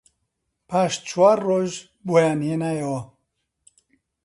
پاش چوار ڕۆژ بۆیان هێنایەوە